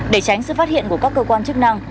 để tránh sự phát hiện của các cơ quan chức năng